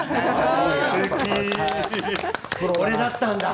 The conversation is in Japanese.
これだったんだ！